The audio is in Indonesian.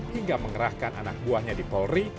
hingga mengerahkan anak buahnya di polri